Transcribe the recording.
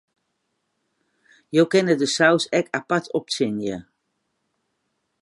Jo kinne de saus ek apart optsjinje.